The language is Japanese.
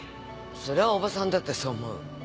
それはおばさんだってそう思う。